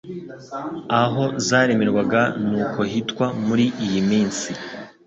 Aho zaremerwaga n'uko hitwa muri iyi minsi